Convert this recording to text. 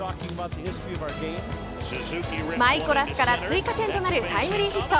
マイコラスから追加点となるタイムリーヒット。